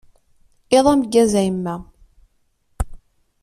Iḍ ameggaz a yemma.